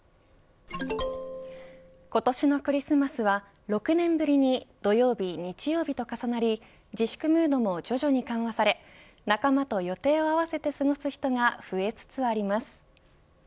今年のクリスマスは６年ぶりに土曜日、日曜日と重なり自粛ムードも徐々に緩和され仲間と予定を合わせて過ごす人が増えつつあります。